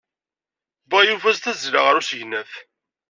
Wwiɣ Yuba s tazzla ɣer usegnaf.